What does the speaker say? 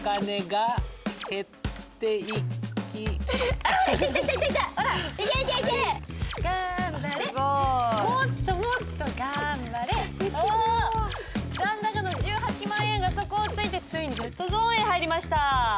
お残高の１８万円が底をついてついにレッドゾーンへ入りました。